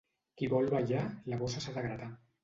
Qui vol ballar, la bossa s'ha de gratar.